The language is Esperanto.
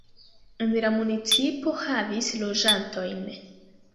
En la municipo havis loĝantojn.